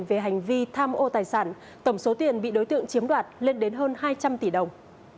về hành vi tham ô tài sản tổng số tiền bị đối tượng chiếm đoạt lên đến hơn hai trăm linh tỷ đồng